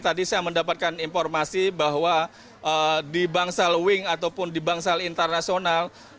tadi saya mendapatkan informasi bahwa di bangsal wing ataupun di bangsal internasional